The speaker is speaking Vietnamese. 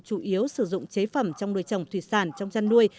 chủ yếu sử dụng chế phẩm trong đôi chồng thủy sản trong chăn nuôi